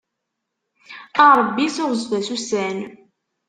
A Ṛebbi seɣzef-as ussan.